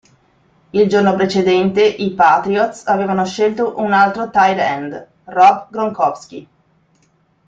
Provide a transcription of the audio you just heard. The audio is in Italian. Il giorno precedente, i Patriots avevano scelto un altro tight end, Rob Gronkowski.